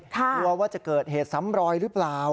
กลัวว่าจะเกิดเหตุซ้ำรอยหรือเปล่า